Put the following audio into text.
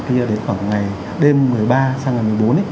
kia đến khoảng ngày đêm một mươi ba sang ngày một mươi bốn